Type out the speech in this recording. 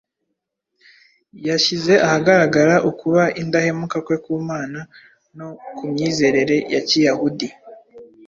Yashyize ahagaragara ukuba indahemuka kwe ku Mana no ku myizerere ya Kiyahudi,